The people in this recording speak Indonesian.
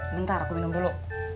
bentar aku minum dulu